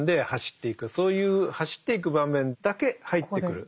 そういう走っていく場面だけ入ってくる。